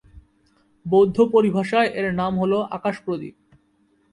বৌদ্ধ পরিভাষায় এর নাম হলো, ‘আকাশ-প্রদীপ’।